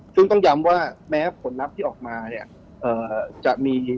ซึ่งต้องย้ำว่าแม้ผลลัพธ์ที่ออกมาเนี่ยจะมี